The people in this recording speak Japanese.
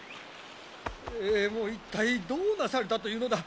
ええいもう一体どうなされたというのだ！